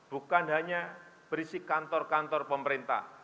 bukan hanya berisi kantor kantor pemerintah